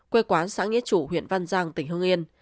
quê quán xã nghĩa chủ huyện văn giang tỉnh hương yên